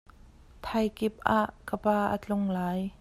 Thaikip ah ka pa a tlung lai.